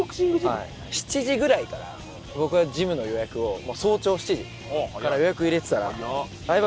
７時ぐらいから僕はジムの予約を早朝７時から予約を入れてたら。